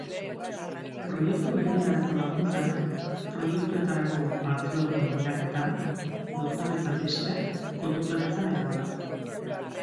proiektu berrietarako laguntzak, proiektuetarako partzuergoen eraketa, doktoretza-tesiak kotutoretzan eta abar